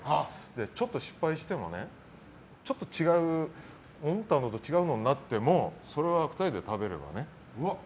ちょっと失敗してもちょっと思ったのと違うのになってもそれは２人で食べるのね。